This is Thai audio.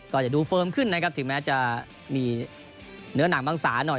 ก็จะดูเฟิร์มขึ้นนะครับถึงแม้จะมีเนื้อหนังบางสาหน่อย